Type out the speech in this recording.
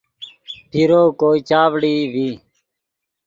پیرو کوئے چاڤڑئی ڤی